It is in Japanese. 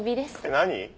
何？